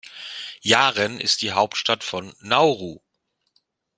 Yaren ist die Hauptstadt von Nauru.